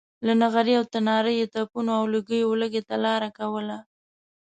له نغري او تناره یې تپونو او لوګیو ولږې ته لاره کوله.